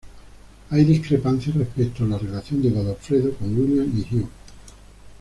Hay discrepancias respecto a la relación de Godofredo con William y Hugh.